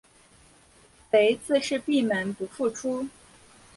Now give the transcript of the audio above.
贼自是闭门不复出。